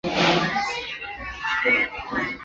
庞祖勒。